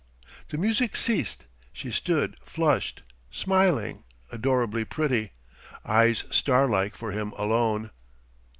The music ceased. She stood flushed, smiling, adorably pretty, eyes star like for him alone.